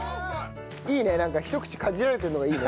いいねなんかひと口かじられてるのがいいね。